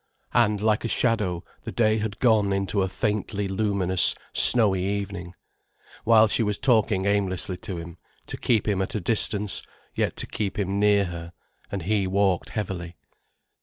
And like a shadow, the day had gone into a faintly luminous, snowy evening, while she was talking aimlessly to him, to keep him at a distance, yet to keep him near her, and he walked heavily.